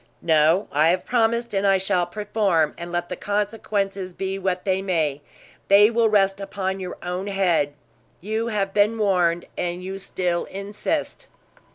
"No, I have promised, and I shall perform; and let the consequences be what they may, they will rest upon your own head. You have been warned, and you still insist."